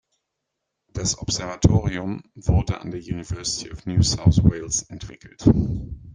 Das Observatorium wurde an der University of New South Wales entwickelt.